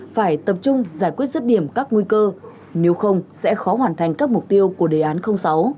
phải tập trung giải quyết rứt điểm các nguy cơ nếu không sẽ khó hoàn thành các mục tiêu của đề án sáu